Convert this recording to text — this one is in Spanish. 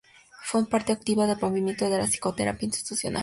Fue parte activa del movimiento de la psicoterapia institucional.